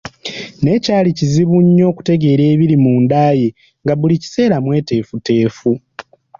Naye kyali kizibu nnyo okutegeera ebiri mu nda ye nga buli kiseera mweteefuteefu.